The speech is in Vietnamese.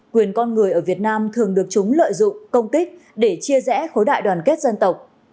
quyền con người ở việt nam thường được chúng lợi dụng công kích để chia rẽ khối đại đoàn kết dân tộc